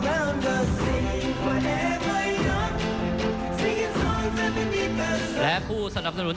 ท่านแรกครับจันทรุ่ม